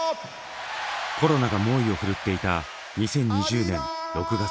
コロナが猛威を振るっていた２０２０年６月。